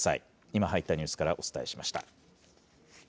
今、入ったニュースからお伝えしました。